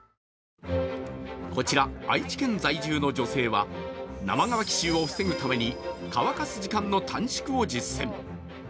こちら、愛知県在住の女性は生乾き臭を防ぐために乾かす時間の短縮を実践。